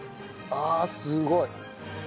あすごい。